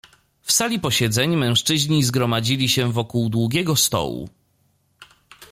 "W sali posiedzeń mężczyźni zgromadzili się wokół długiego stołu."